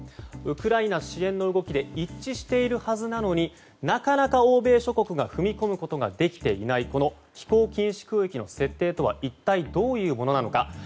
ウクライナ支援の動きで一致しているはずなのになかなか欧米諸国が踏み込むことができていないこの飛行禁止空域の設定とは一体どういうものなのか。